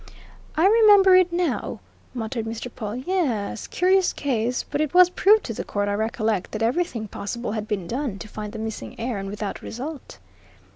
"I remember it now," muttered Mr. Pawle. "Yes curious case. But it was proved to the court, I recollect, that everything possible had been done to find the missing heir and without result."